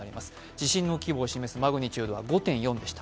地震の規模を示すマグニチュードは５．４でした。